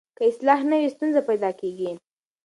که اصلاح نه وي ستونزه پیدا کېږي.